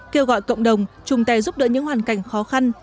kêu gọi cộng đồng chung tay giúp đỡ những hoàn cảnh khó khăn